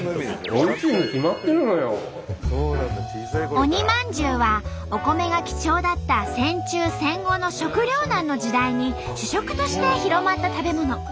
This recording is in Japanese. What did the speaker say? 鬼まんじゅうはお米が貴重だった戦中戦後の食糧難の時代に主食として広まった食べ物。